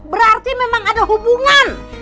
berarti memang ada hubungan